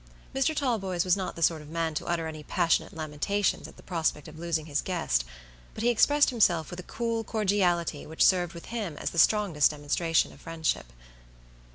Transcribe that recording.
Mr. Talboys was not the sort of man to utter any passionate lamentations at the prospect of losing his guest, but he expressed himself with a cool cordiality which served with him as the strongest demonstration of friendship.